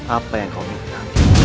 apa yang kau minta